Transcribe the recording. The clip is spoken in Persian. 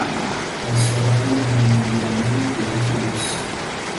خواستههای بهانه گیرانهی کودک لوس